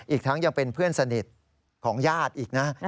อีกทั้งยังเป็นเพื่อนสนิทของญาติอีกนะ